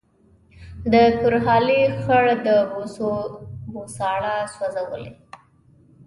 د کرهالې خړ د بوسو بوساړه سوځولې